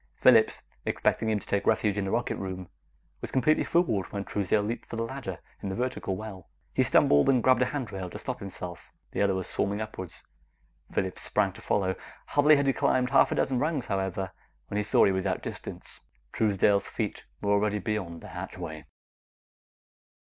Phillips, expecting him to take refuge in the rocket room, was completely fooled when Truesdale leaped for the ladder in the vertical well. He stumbled, and grabbed a handrail to stop himself. The other was swarming upward. Phillips sprang to follow. Hardly had he climbed half a dozen rungs, however, than he saw he was outdistanced. Truesdale's feet were already disappearing beyond the hatchway.